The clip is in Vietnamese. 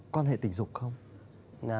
quan hệ tình dục không